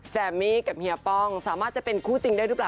แซมมี่กับเฮียป้องสามารถจะเป็นคู่จริงได้หรือเปล่า